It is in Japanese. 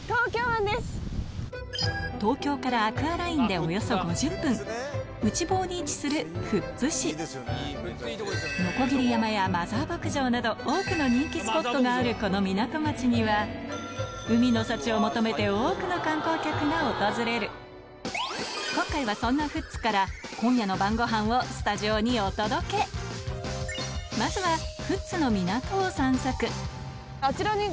東京からアクアラインでおよそ５０分内房に位置する富津市鋸山やマザー牧場など多くの人気スポットがあるこの港町には海の幸を求めて多くの観光客が訪れる今回はそんなまずは富津の港を散策